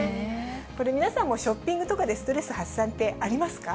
これ、皆さんもショッピングとかでストレス発散って、ありますか？